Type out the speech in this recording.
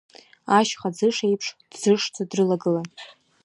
Ашьха ӡыш еиԥш, дӡышӡа дрылагылан.